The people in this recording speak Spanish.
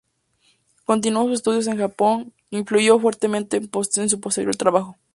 Continuó sus estudios en Japón, que influyó fuertemente su posterior trabajo.